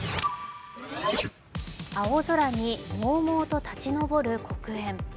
青空に、もうもうと立ち上る黒煙。